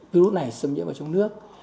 virus này xâm nhiễm vào trong nước